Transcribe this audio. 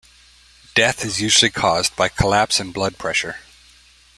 Death is usually caused by collapse in blood pressure.